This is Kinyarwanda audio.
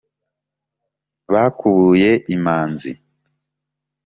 Bakubuye imanzi